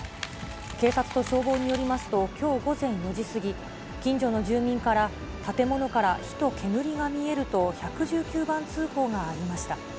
警察と消防によりますと、きょう午前４時過ぎ、近所の住民から、建物から火と煙が見えると、１１９番通報がありました。